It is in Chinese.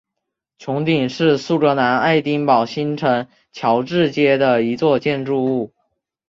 穹顶是苏格兰爱丁堡新城乔治街的一座建筑物。